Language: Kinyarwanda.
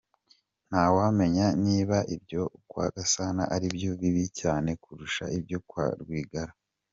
Nta wamenya niba ibyo kwa Gasana ari byo bibi cyane kurusha ibyo kwa Rwigara.